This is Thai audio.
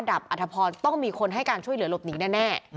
อัธพรต้องมีคนให้การช่วยเหลือหลบหนีแน่